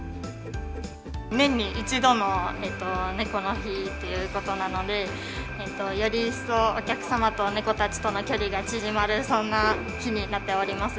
年に一度の猫の日ということなので、より一層、お客様と猫たちとの距離が縮まる、そんな日になっております。